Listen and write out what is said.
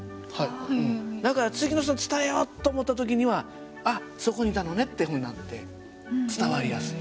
だから次の人に伝えようと思った時には「あっそこにいたのね」ってふうになって伝わりやすい。